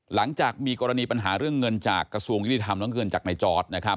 หลังจากมีกรณีปัญหาเรื่องเงินจากกระทรวงยุติธรรมและเงินจากในจอร์ดนะครับ